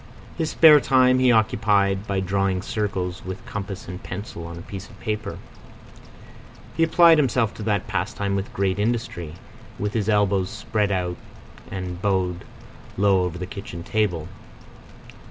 His spare time he occupied by drawing circles with compass and pencil on a piece of paper. He applied himself to that pastime with great industry, with his elbows spread out and bowed low over the kitchen table.